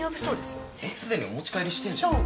すでにお持ち帰りしてんじゃん。